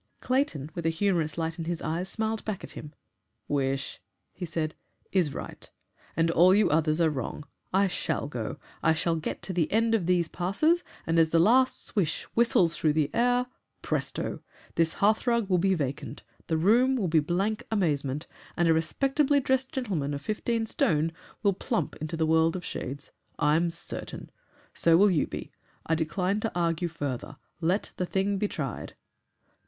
Clayton, with a humorous light in his eyes, smiled back at him. "Wish," he said, "is right and all you others are wrong. I shall go. I shall get to the end of these passes, and as the last swish whistles through the air, Presto! this hearthrug will be vacant, the room will be blank amazement, and a respectably dressed gentleman of fifteen stone will plump into the world of shades. I'm certain. So will you be. I decline to argue further. Let the thing be tried."